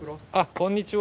こんにちは。